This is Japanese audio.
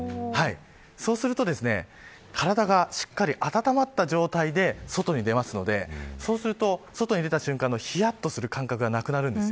そうすると体がしっかり温まった状態で外に出ますので外に出た瞬間のひやっとした感覚がなくなります。